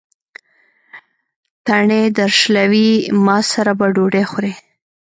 تڼۍ درشلوي: ما سره به ډوډۍ خورې.